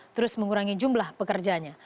terus mengurangi jumlah pekerjanya